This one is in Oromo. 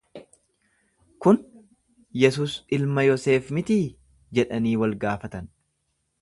Kun Yesus ilma Yoseef mitii? jedhanii wal gaafatan.